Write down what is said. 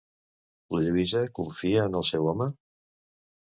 La Lluïsa confia en el seu home?